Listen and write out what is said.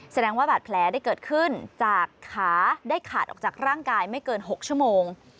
แสดงว่าบาดแผลได้เกิดขึ้นจากขาได้ขาดออกจากร่างกายไม่เกิน๖ชั่วโมง